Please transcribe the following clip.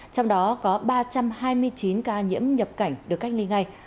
trong đó có ba trăm hai mươi chín ca nhiễm nhập cảnh được cách ly ngay